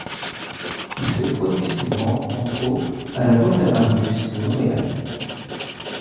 Il se produit souvent, entre autres, à la boite à Marius de Montréal.